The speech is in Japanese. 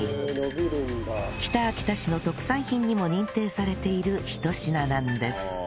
北秋田市の特産品にも認定されているひと品なんです